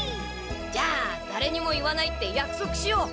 じゃあだれにも言わないってやくそくしよう！